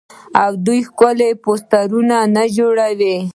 آیا دوی ښکلي پوسټرونه نه جوړوي؟